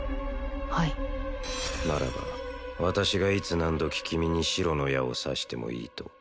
はいならば私がいつ何どき君に白の矢を刺してもいいと？